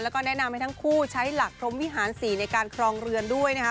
แล้วก็แนะนำให้ทั้งคู่ใช้หลักพรมวิหาร๔ในการครองเรือนด้วยนะคะ